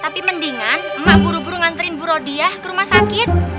tapi mendingan emak buru buru nganterin bu rodiah ke rumah sakit